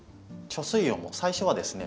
貯水葉も最初はですね